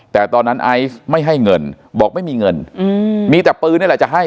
แต่ตอนนั้นไอซ์ไม่ให้เงินบอกไม่มีเงินมีแต่ปืนนี่แหละจะให้